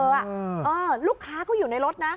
เออลูกค้าเขาอยู่ในรถนะ